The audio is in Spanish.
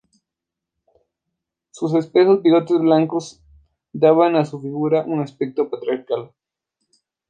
Sus espesos bigotes blancos, daban a su figura, un aspecto patriarcal.